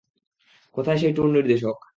কোথায় সেই ট্যুর নির্দেশক?